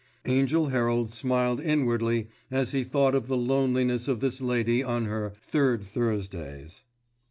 Angell Herald smiled inwardly as he thought of the loneliness of this lady on her "Third Thursdays."